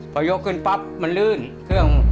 พอยกขึ้นปั๊บมันลื่นเครื่อง